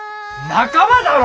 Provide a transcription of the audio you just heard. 仲間だろ？